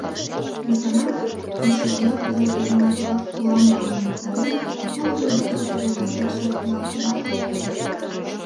Южгунам йӱшывуя Карла герман тукым улам манын моктанен, моло годымжо тидын нерген шарналтенат огыл.